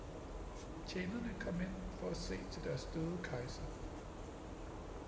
Tjenerne kom ind for at se til deres døde kejser